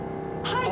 はい！